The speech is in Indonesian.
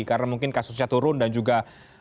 karena mungkin kasusnya turun dan juga